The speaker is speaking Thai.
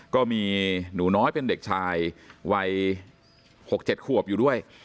ก็มีหนูน้อยเป็นเด็กชายวัย๖๗ขวบอยู่ด้วย